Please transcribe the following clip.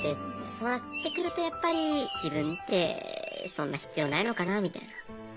そうなってくるとやっぱり自分ってそんな必要ないのかなみたいな。